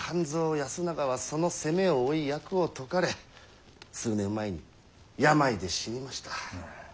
保長はその責めを負い役を解かれ数年前に病で死にました。